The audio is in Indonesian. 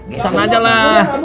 bisa aja lah